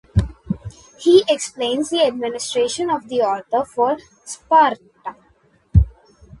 He explains the admiration of the author for Sparta.